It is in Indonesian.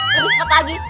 lebih sempet lagi